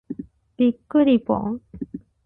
びっくりぽん。